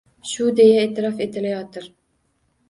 Shu deya e’tirof etilayotir.